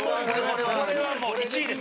田中：これは、もう１位です。